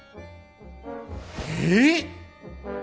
えっ！？